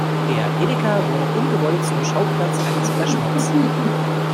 Der Edeka wurde ungewollt zum Schauplatz eines Flashmobs.